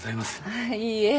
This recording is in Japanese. ああいいえ。